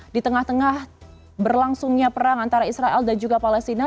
di tengah tengah berlangsungnya perang antara israel dan juga palestina